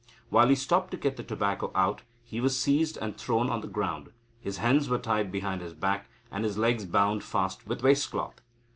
While he stopped to get the tobacco out, he was seized and thrown on the ground. His hands were tied behind his back, and his legs bound fast with his waist cloth.